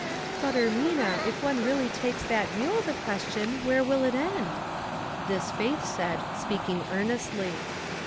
" But, Ermina, if one really takes that view of the question, where will it end ?" This Faith said, speaking earnestly.